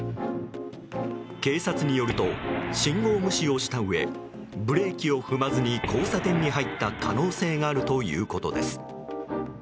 警察によると信号無視をしたうえブレーキを踏まずに交差点に入った可能性があるということです。